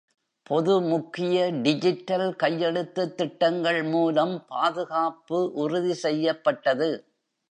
பொது முக்கிய டிஜிட்டல் கையெழுத்துத் திட்டங்கள் மூலம் பாதுகாப்பு உறுதி செய்யப்பட்டது.